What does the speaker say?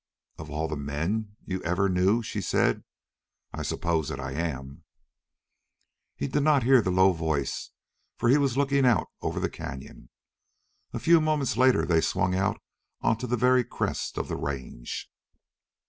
"Of all the men you ever knew," she said, "I suppose that I am." He did not hear the low voice, for he was looking out over the canyon. A few moments later they swung out onto the very crest of the range.